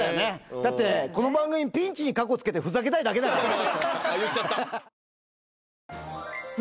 だってこの番組ピンチにかこつけてふざけたいだけだから。